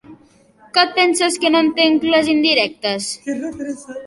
Que et penses que no entenc les indirectes?